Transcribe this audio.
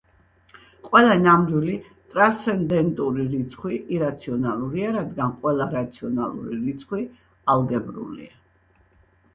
ყველა ნამდვილი ტრანსცენდენტური რიცხვი ირაციონალურია, რადგან ყველა რაციონალური რიცხვი ალგებრულია.